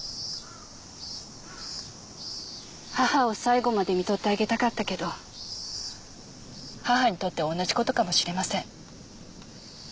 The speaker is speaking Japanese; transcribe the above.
母を最期までみとってあげたかったけど母にとっては同じ事かもしれません。